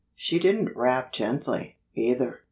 She didn't rap gently, either.